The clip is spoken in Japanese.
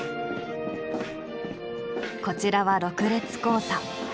こちらは６列交差。